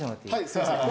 すいません。